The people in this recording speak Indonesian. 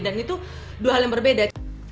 dan itu dua hal yang berbeda